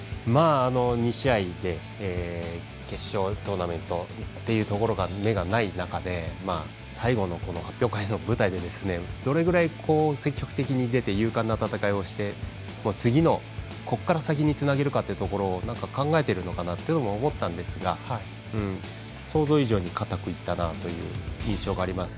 ２試合で決勝トーナメントっていうところに目がない中で最後の舞台でどれぐらい積極的に出て勇敢な戦いをして次のここから先につなげるかというところを考えているのかなというのも思ったんですが想像以上にかたくいったなという印象があります。